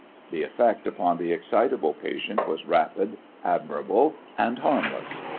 The effect upon the excitable patient was rapid, admirable, and harmless.